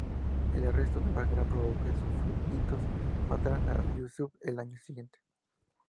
El arresto de Bagrat provocó que sus súbditos mataran a Yusuf el año siguiente.